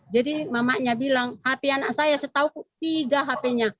jadi mamanya bilang hp anak saya setauku tiga hp nya